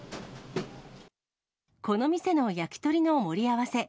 この店の焼き鳥の盛り合わせ。